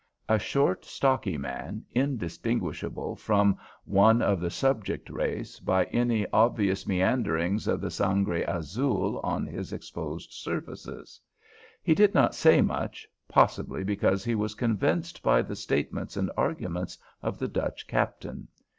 A short, stocky man, undistinguishable from one of the "subject race" by any obvious meanderings of the sangre azul on his exposed surfaces. He did not say much, possibly because he was convinced by the statements and arguments of the Dutch captain.